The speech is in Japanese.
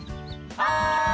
はい！